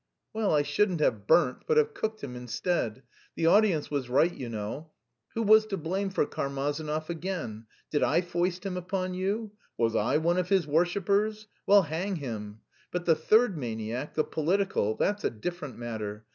"Well, I shouldn't have burnt, but have cooked him instead. The audience was right, you know. Who was to blame for Karmazinov, again? Did I foist him upon you? Was I one of his worshippers? Well, hang him! But the third maniac, the political that's a different matter.